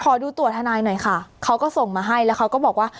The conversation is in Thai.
ขอดูตัวทนายหน่อยค่ะเขาก็ส่งมาให้แล้วเขาก็บอกว่า